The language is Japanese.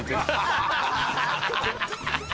ハハハハ！